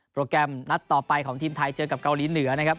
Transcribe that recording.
แกรมนัดต่อไปของทีมไทยเจอกับเกาหลีเหนือนะครับ